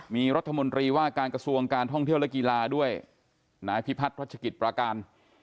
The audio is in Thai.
มีรัฐมนตรีว่าการกระทรวงการท่องเที่ยวและกีฬาด้วยนายพิพัฒนรัชกิจประการ